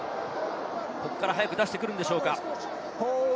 ここから早く出してくるんでしょうか。